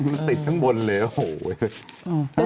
ติดทั้งบนเลยโอ้โฮ